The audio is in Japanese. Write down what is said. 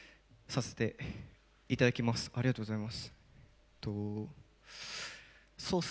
ありがとうございます。